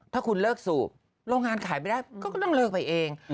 ถ้าคุณเลิกสูบโรงงานขายไม่ได้ก็ต้องเลิกไปเอง